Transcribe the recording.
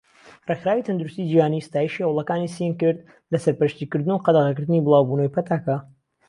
ڕێخراوی تەندروستی جیهانی ستایشی هەوڵەکانی سین کرد لە سەرپەرشتی کردن و قەدەغەکردنی بڵاوبوونەوەی پەتاکە.